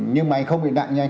nhưng mà anh không bị nạn nhanh